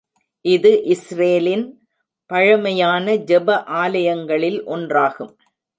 இது இஸ்ரேலின் பழமையான ஜெப ஆலயங்களில் ஒன்றாகும்.